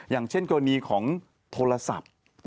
อย่างเช่นกรณีของโทรศัพท์